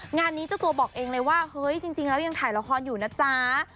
งานนี้เจ้าตัวบอกเองเลยว่าเฮ้ยจริงแล้วยังถ่ายละครอยู่นะจ๊ะ